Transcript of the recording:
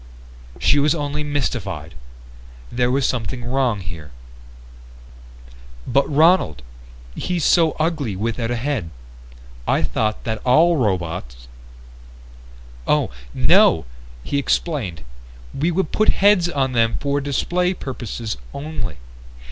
She was only mystified. There was something wrong here. "But Ronald, he's so ugly without a head. I thought that all robots " "Oh, no," he explained, "we would put heads on them for display purposes only.